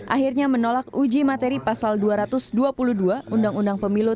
akhirnya menolak uji materi pasal dua ratus dua puluh dua undang undang pemilu